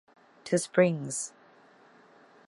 To springs